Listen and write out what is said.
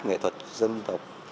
nghệ thuật dân tộc